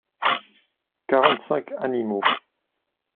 Quarante-cinq animaux.